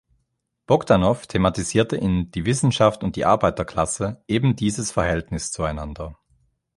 Bogdanow thematisierte in "Die Wissenschaft und die Arbeiterklasse" ebendieses Verhältnis zueinander.